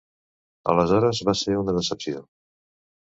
Aleshores va ser una decepció.